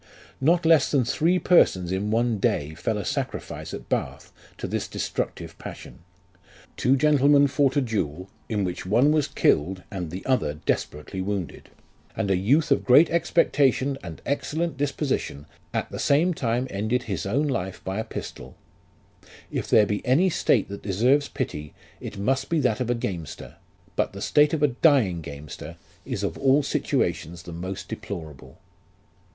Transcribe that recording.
" Not less than three persons in one day fell a sacrifice at Bath to this destructive passion. Two gentlemen fought a duel, in which one was 120 LIFE OF RICHARD NASH. killed, and the other desperately wounded ; and a youth of great expecta tion and excellent disposition, at the same time ended his own life by a pistol. If there be any state that deserves pity, it must be that of a gamester ; but the state of a dying gamester is of all situations the most deplorable.